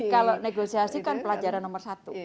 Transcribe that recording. kalau negosiasi kan pelajaran nomor satu